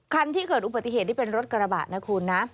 ที่เกิดอุบัติเหตุที่เป็นรถกระบะนะคุณนะ